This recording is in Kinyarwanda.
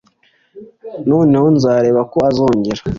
Noneho nzareba ko azongera